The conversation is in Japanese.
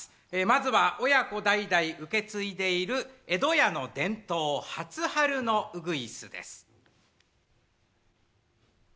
まずは親子代々受け継いでいる江戸家の伝統初春のウグイスです。